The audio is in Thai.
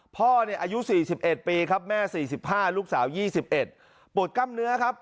พ่ออายุ๔๑ปีครับแม่๔๕ลูกสาว๒๑ปวดกล้ามเนื้อครับ